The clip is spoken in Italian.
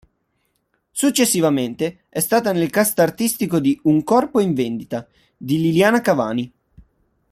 Successivamente è stata nel cast artistico di "Un corpo in vendita" di Liliana Cavani.